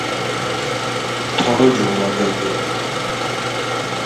تھوڑو جو اَگے گیو